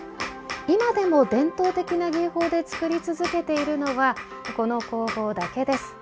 今でも伝統的な技法で作り続けているのはこの工房だけです。